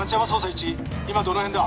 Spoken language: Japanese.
１今どの辺だ。